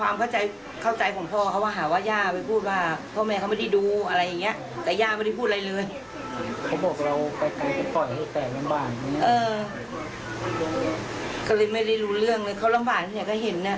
ไม่เคยปล่อยเขาลำบาก